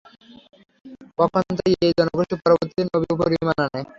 পক্ষান্তরে এই জনগোষ্ঠী পরবর্তীতে নবীর উপর ঈমান আনে।